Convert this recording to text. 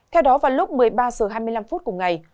theo đó vào lúc một mươi ba h hai mươi năm phút cùng ngày